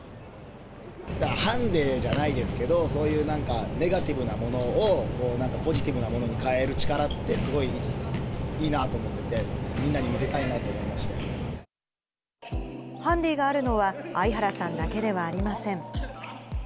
ハンデじゃないですけど、そういうなんか、ネガティブなものを、なんかポジティブなものに変える力って、すごいいいなと思ってて、ハンディがあるのは、相原さんだけではありません。